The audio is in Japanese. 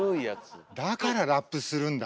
だからラップするんだ。